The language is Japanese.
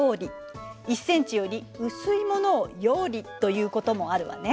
１ｃｍより薄いものを葉理ということもあるわね。